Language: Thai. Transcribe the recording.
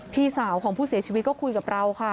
พี่สาวของผู้เสียชีวิตก็คุยกับเราค่ะ